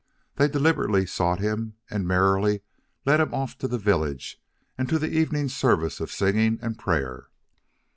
They deliberately sought him and merrily led him off to the village and to the evening service of singing and prayer.